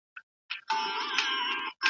ولي هغه ځوان داسي پرېکړه وکړه؟